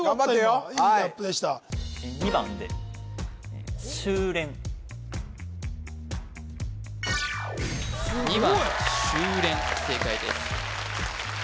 今いいギャップでした２番しゅうれん正解です